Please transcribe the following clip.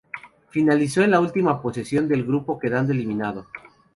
Finalizó en la última posición del grupo, quedando eliminado.